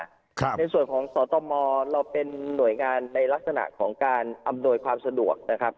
ในส่วนของสตมเราเป็นหน่วยงานในลักษณะของการอำนวยความสะดวกนะครับ